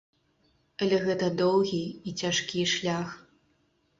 Але гэта доўгі і цяжкі шлях.